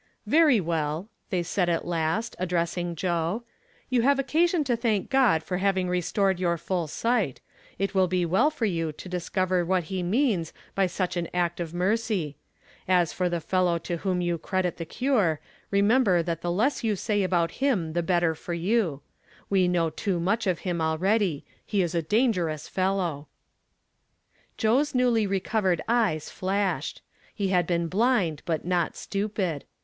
"Very well," they said at last, addressing Jo6 ;" you have occasion to thank God for having restored your full sight. It will be well for you to discover what he means by such an act of mercy. As for the fellow to whom you credit ^)ie cure, remember that the less vou say ,abou|i "TO OPEN THE BLIND EYES." 239 \) him the better for you. We know too much of him already ; he is a dangerous fellow." Joe's newly recovered eyes flashed. lie had been blind, but not stupid.